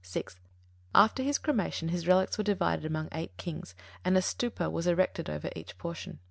(6) After his cremation his relics were divided among eight kings and a stūpa was erected over each portion.